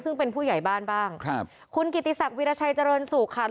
ซึ่งเป็นผู้ใหญ่บ้านบ้างครับคุณกิติศักดิราชัยเจริญสุขค่ะ